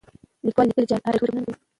لیکوال لیکلي چې عربي توري بسنه نه کوي.